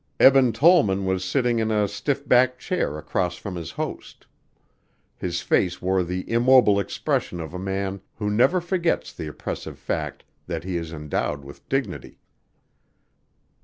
Eben Tollman was sitting in a stiff backed chair across from his host. His face wore the immobile expression of a man who never forgets the oppressive fact that he is endowed with dignity.